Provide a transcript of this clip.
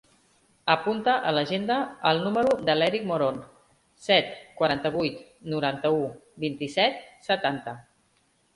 Apunta a l'agenda el número de l'Eric Moron: set, quaranta-vuit, noranta-u, vint-i-set, setanta.